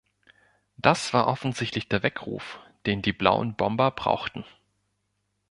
Das war offensichtlich der Weckruf, den die Blauen Bomber brauchten.